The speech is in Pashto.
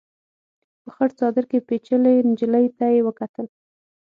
په خړ څادر کې پيچلې نجلۍ ته يې وکتل.